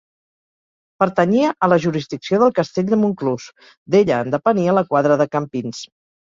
Pertanyia a la jurisdicció del castell de Montclús; d'ella en depenia la quadra de Campins.